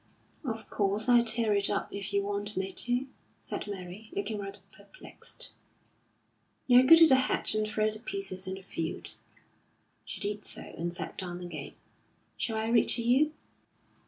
"Of course, I'll tear it up if you want me to," said Mary, looking rather perplexed. "Now, go to the hedge and throw the pieces in the field." She did so, and sat down again. "Shall I read to you?"